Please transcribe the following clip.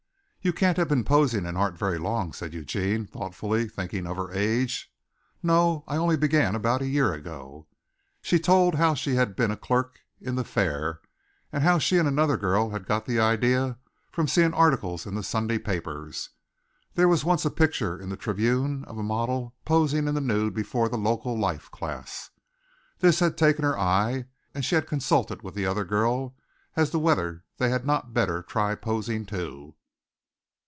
"You can't have been posing in art very long," said Eugene thoughtfully, thinking of her age. "No; I only began about a year ago." She told how she had been a clerk in The Fair and how she and another girl had got the idea from seeing articles in the Sunday papers. There was once a picture in the Tribune of a model posing in the nude before the local life class. This had taken her eye and she had consulted with the other girl as to whether they had not better try posing, too.